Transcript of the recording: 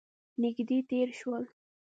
نژدې تیر شول